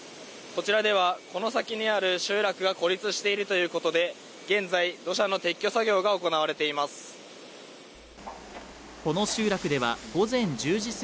こちらではこの先にある集落が孤立しているということで現在土砂の撤去作業が行われています。